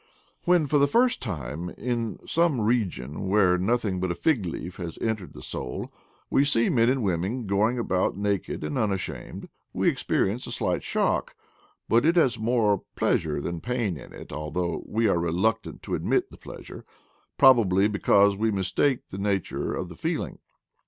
When, for the first time, in some re gion where nothing but a fig leaf has "entered the; soul," we see men and women going about naked and unashamed, we experience a slight shock; but it has more pleasure than pain in it, although we are reluctant to admit the pleasure, probably be cause we mistake the nature of the feeling.